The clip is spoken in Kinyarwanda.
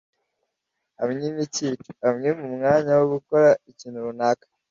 Amwime ikico: amwime umwanya wo gukora ikintu runaka